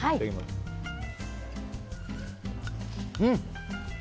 うん！